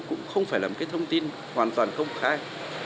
cũng không phải là một cái thông tin hoàn toàn công khai